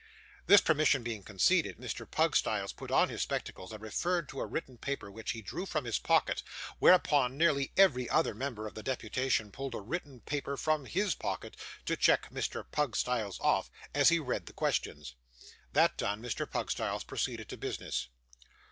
This permission being conceded, Mr. Pugstyles put on his spectacles, and referred to a written paper which he drew from his pocket; whereupon nearly every other member of the deputation pulled a written paper from HIS pocket, to check Mr. Pugstyles off, as he read the questions. This done, Mr. Pugstyles proceeded to business.